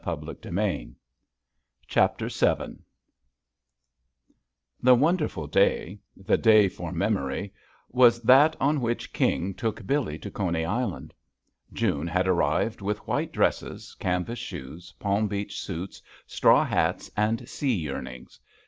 JUST SWEETHEARTS Chapter VII THE wonderful day, the day for mem ory, was that on which King took Billee to Coney Island. June had ar rived with white dresses, canvas shoes, Palm Beach suits, straw hats and sea yearnings.